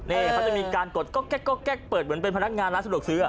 นี่เขาจะมีการกดก็แก๊อกแก๊กเปิดเหมือนเป็นพนักงานร้านสะดวกซื้อ